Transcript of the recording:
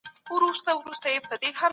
لوړ افکار د سترو کارونو پیلامه ده.